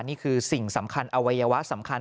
นี่คือสิ่งสำคัญอวัยวะสำคัญ